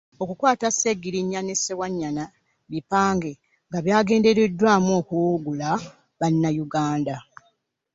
Okukwata Ssegirinnya ne Ssewanyana bipange nga byagendereddwamu okuwugula bannayuganda.